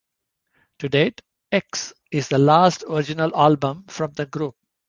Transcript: To date, "X" is the last original album from the group.